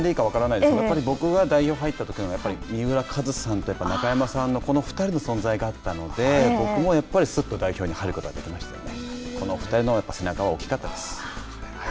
ソウルメイトと呼んでいいか分からないですけど、やっぱり僕が代表に入ったときの三浦さんと中山さん、やっぱり中山さんのこの２人の存在があったので、やっぱり、すっと代表に入ることができましたよね。